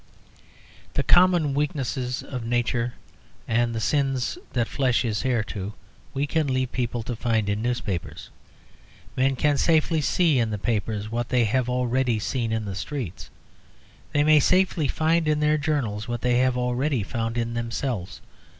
The common weakness of Nature and the sins that flesh is heir to we can leave people to find in newspapers. Men can safely see in the papers what they have already seen in the streets. They may safely find in their journals what they have already found in themselves.